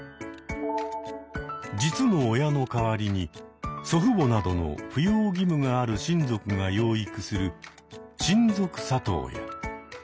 実の親の代わりに祖父母などの扶養義務がある親族が養育する「親族里親」。